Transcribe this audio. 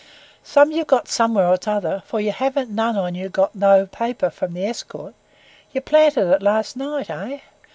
Some you've got somewhere or another, for you havn't none on you got no paper from the Escort you planted it last night, eh?